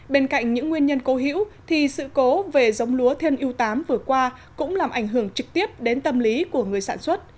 bên cạnh những nguyên nhân cố hữu thì sự cố về giống lúa thiên yếu tám vừa qua cũng làm ảnh hưởng trực tiếp đến tâm lý của người sản xuất